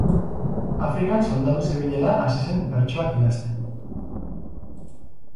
Afrikan soldadu zebilela hasi zen bertsoak idazten.